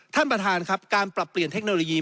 ท่านประธานครับการปรับเปลี่ยนเทคโนโลยี